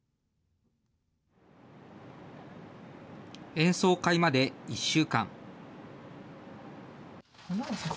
演奏会まで１週間。